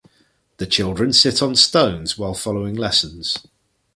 The children sit on stones while following lessons.